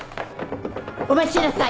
お待ちなさい！